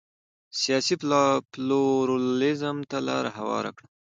سیاسي پلورالېزم ته لار هواره کړه.